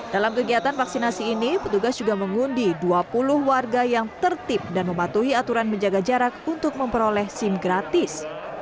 dalam kegiatan vaksinasi ini petugas juga mengundi dua puluh warga yang tertib dan mematuhi aturan menjaga jarak untuk memperoleh sim gratis